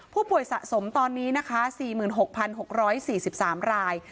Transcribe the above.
ผู้ป่วยสะสมตอนนี้นะคะ๔๖๖๔๓ราย